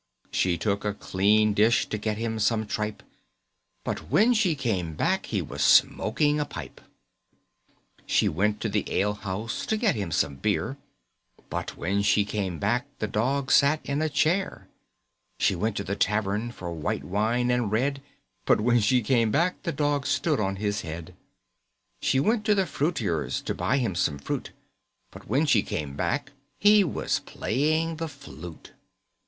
She took a clean dish To get him some tripe, But when she came back He was smoking a pipe. [Illustration: THE DOG SMOKING A PIPE.] [Illustration: THE DOG STANDING ON HIS HEAD.] She went to the ale house To get him some beer, But when she came back The Dog sat in a chair. She went to the tavern For white wine and red, But when she came back The Dog stood on his head. She went to the fruiterer's To buy him some fruit, But when she came back He was playing the flute.